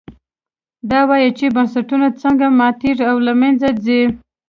دا وایي چې بنسټونه څنګه ماتېږي او له منځه ځي.